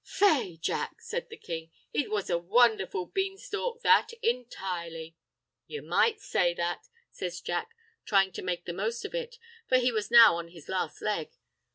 "Faix, Jack," says the king, "it was a wondherful beanstalk, that, entirely." "You might say that," says Jack, trying to make the most of it, for he was now on his last leg.